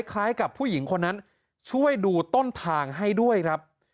คล้ายกับผู้หญิงคนนั้นช่วยดูต้นทางให้ด้วยครับ